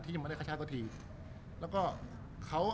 รูปนั้นผมก็เป็นคนถ่ายเองเคลียร์กับเรา